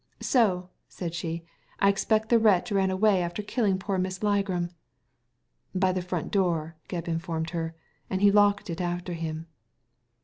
" So," said she, '' I expect the wretch ran away after killing poor Miss Ligram." " By the front door," Gebb informed her, and he locked it after him."